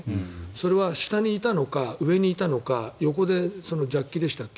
それは下にいたのか上にいたのか横でジャッキでしたっけ